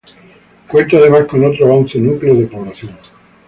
Cuenta además con otros once núcleos de población.